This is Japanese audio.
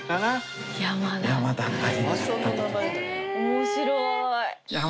面白い。